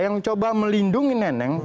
yang coba melindungi neneng